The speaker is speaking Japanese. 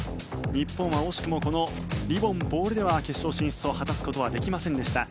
日本は惜しくもこのリボン・ボールでは決勝進出を果たすことはできませんでした。